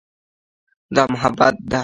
دا محبت ده.